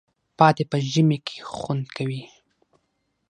پاتې په ژمي کی خوندکوی